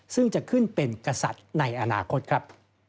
ซึ่งจะขึ้นเป็นกษัตริย์ในอนาคตครับ